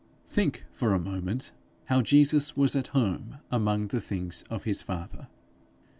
Think for a moment how Jesus was at home among the things of his father.